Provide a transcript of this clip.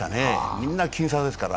みんな僅差ですから。